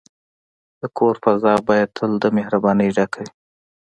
د کور فضا باید تل د مهربانۍ ډکه وي.